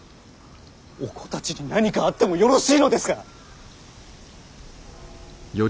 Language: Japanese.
お子たちに何かあってもよろしいのですか！